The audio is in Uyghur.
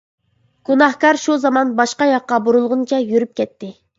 گۇناھكار شۇ زامان باشقا ياققا بۇرۇلغىنىچە يۈرۈپ كەتتى.